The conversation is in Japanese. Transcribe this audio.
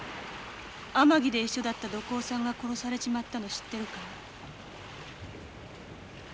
天城で一緒だった土工さんが殺されちまったの知ってるかい？